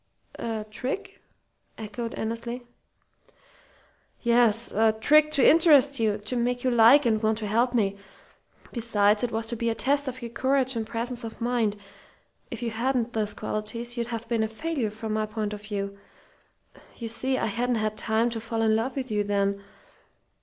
"A trick?" echoed Annesley. "Yes. A trick to interest you to make you like and want to help me. Besides, it was to be a test of your courage and presence of mind. If you hadn't those qualities you'd have been a failure from my point of view. You see, I hadn't had time to fall in love with you then.